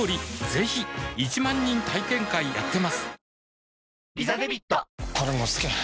ぜひ１万人体験会やってますはぁ。